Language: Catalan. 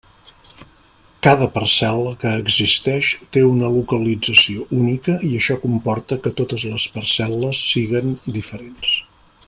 Cada parcel·la que existeix té una localització única i això comporta que totes les parcel·les siguen diferents.